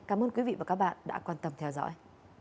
cảm ơn quý vị và các bạn đã quan tâm theo dõi